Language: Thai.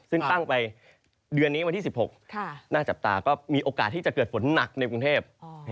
ซึ่งตั้งไปเดือนนี้วันที่๑๖น่าจับตาก็มีโอกาสที่จะเกิดฝนหนักในกรุงเทพ